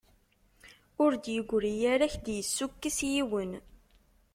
Ur d-yegri ara k-d-yessukkes yiwen.